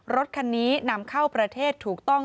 รถคันนี้นำเข้าประเทศถูกต้อง